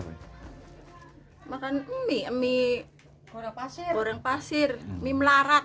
makan mie goreng pasir